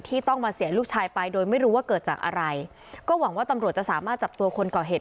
ต้องมาเสียลูกชายไปโดยไม่รู้ว่าเกิดจากอะไรก็หวังว่าตำรวจจะสามารถจับตัวคนก่อเหตุ